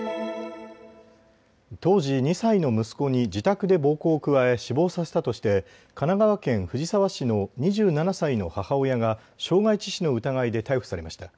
当時２歳の息子に自宅で暴行を加え死亡させたとして神奈川県藤沢市の２７歳の母親が傷害致死の疑いで逮捕されました。